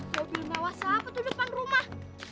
mobil mewah siapa tuh depan rumah